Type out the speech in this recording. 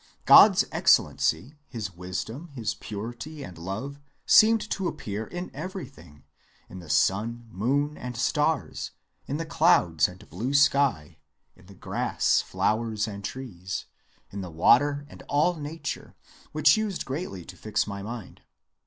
God's excellency, his wisdom, his purity and love, seemed to appear in everything; in the sun, moon, and stars; in the clouds and blue sky; in the grass, flowers, and trees; in the water and all nature; which used greatly to fix my mind.